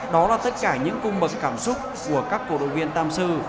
đó là tất cả những cung bậc cảm xúc của các cầu động viên tamsu